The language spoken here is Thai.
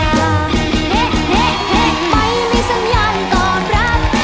เฮ่เฮ่เฮ่ไม่มีสัญญาณตอบรัก